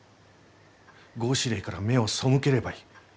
合祀令から目を背ければいい。